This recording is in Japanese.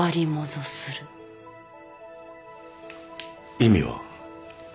意味は？